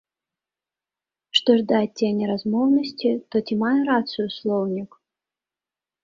Што ж да адцення размоўнасці, то ці мае рацыю слоўнік?